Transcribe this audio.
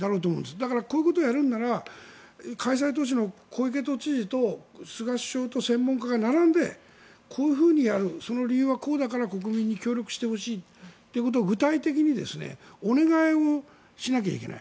だからこういうことをやるなら開催都市の小池都知事と菅首相と専門家が並んでこういうふうにやるその理由はこうだから国民に協力してほしいということを具体的にお願いをしないといけない。